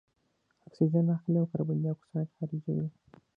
اکسیجن اخلي او کاربن دای اکساید خارجوي.